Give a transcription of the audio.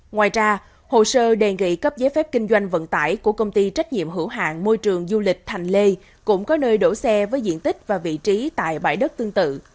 ngoài ra hồ sơ đề nghị cấp giấy phép kinh doanh vận tải của công ty trách nhiệm hữu hạng môi trường du lịch thành lê cũng có nơi đổ xe với diện tích và vị trí tại bãi đất tương tự